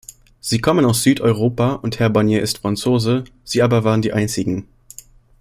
Sie kommen aus Südeuropa, und Herr Barnier ist Franzose, sie aber waren die Einzigen.